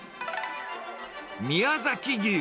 宮崎牛。